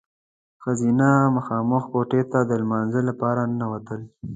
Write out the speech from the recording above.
ښځینه مخامخ کوټې ته د لمانځه لپاره ننوتل.